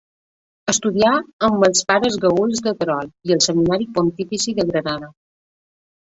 Estudià amb els pares Paüls de Terol i al Seminari Pontifici de Granada.